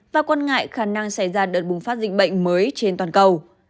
và quan ngại khả năng xảy ra đợt bùng phát dịch bệnh mới trên toàn cầu